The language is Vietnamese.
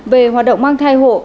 về hoạt động mang thai hộ